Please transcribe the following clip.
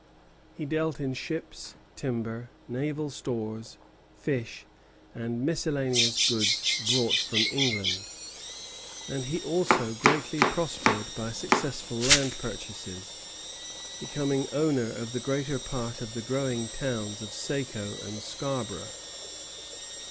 He dealt in ships, timber, naval stores, fish, and miscellaneous goods brought from England; and he also greatly prospered by successful land purchases, becoming owner of the greater part of the growing towns of Saco and Scarborough.